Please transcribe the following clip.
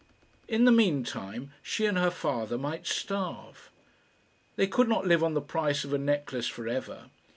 In the mean time she and her father might starve! They could not live on the price of a necklace for ever.